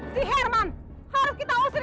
si herman harus kita usut